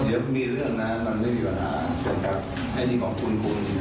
ได้เหมือนแบบนั้น